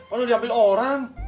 aduh diambil orang